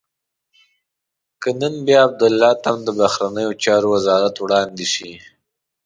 که نن بیا عبدالله ته د بهرنیو چارو وزارت وړاندې شي.